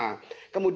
itu yang kedua